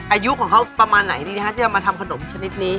อายุของเขาประมาณไหนดีที่จะมาทำขนมชนิดนี้